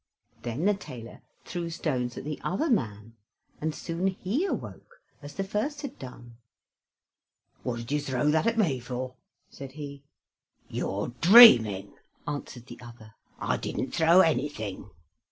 Then the tailor threw stones at the other man, and soon he awoke as the first had done. "What did you throw that at me for?" said he. "You are dreaming," answered the other, "I didn't throw anything."